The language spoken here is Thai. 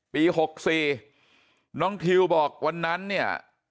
ปี๖๔น้องทิวบอกวันนั้นเนี่ย